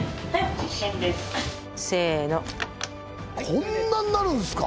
こんなんなるんですか！